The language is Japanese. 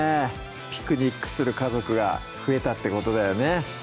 ピクニックする家族が増えたってことだよね